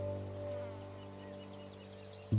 tidak nyonya permintaan maaf sederhana tidak akan berhasil